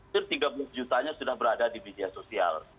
setidaknya tiga belas juta nya sudah berada di media sosial